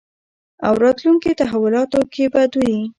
او راتلونکې تحولاتو کې به دوی